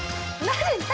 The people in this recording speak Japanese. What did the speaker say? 何？